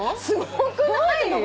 すごくない？